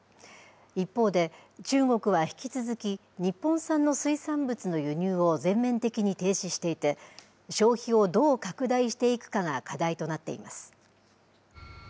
一方で、中国は引き続き日本産の水産物の輸入を全面的に停止していて消費をどう拡大していくかが課題となっています。